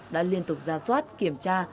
đã liên tục ra soát kiểm tra